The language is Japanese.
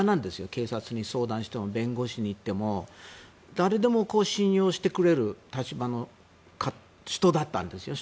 警察に相談しても弁護士に言っても誰でも信用してくれる立場の人です。